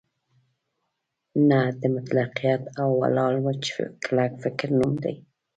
نه د مطلقیت او ولاړ وچ کلک فکر نوم دی.